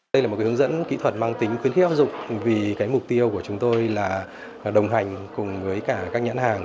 đây là một hướng dẫn kỹ thuật mang tính khuyến khích áp dụng vì mục tiêu của chúng tôi là đồng hành cùng với cả các nhãn hàng